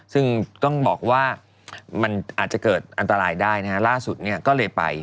ซึ่งต้องบอกว่ามันอาจจะเกิดอันตรายได้นะฮะล่าสุดเนี่ยก็เลยไป